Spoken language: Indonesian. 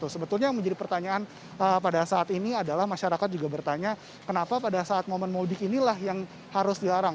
sebetulnya yang menjadi pertanyaan pada saat ini adalah masyarakat juga bertanya kenapa pada saat momen mudik inilah yang harus dilarang